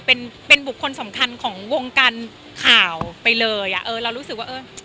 เป็นเป็นบุคคลสำคัญของวงการข่าวไปเลยอ่ะเออเรารู้สึกว่าเออ